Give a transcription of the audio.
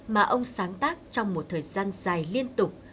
mà ông sáng tác trong một thời gian dài liên tục